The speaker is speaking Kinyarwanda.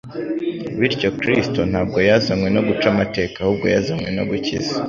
Bityo Kristo ntabwo yazanywe no guca amateka ahubwo yazanywe no gukiza.